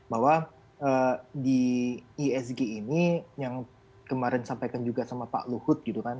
bahwa di isg ini yang kemarin sampaikan juga sama pak luhut gitu kan